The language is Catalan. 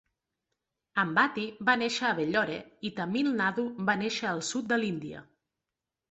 Ambati va néixer a Vellore i Tamil Nadu va néixer al sud de l"Índia.